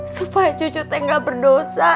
supaya cucu tak berdosa